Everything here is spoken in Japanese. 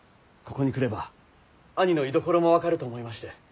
ここに来れば兄の居所も分かると思いまして。